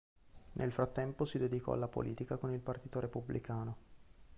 Nel frattempo si dedicò alla politica con il Partito Repubblicano.